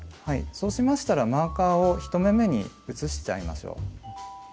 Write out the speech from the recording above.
そうしましたらマーカーを１目めに移しちゃいましょう。